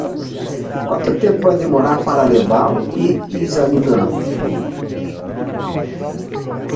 Quanto tempo vai demorar para levá-lo examinado?